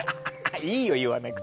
いいよ言わなくて。